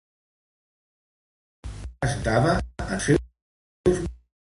Però què es notava en els seus mots?